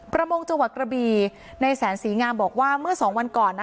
ประมงจังหวัดกระบีในแสนศรีงามบอกว่าเมื่อ๒วันก่อน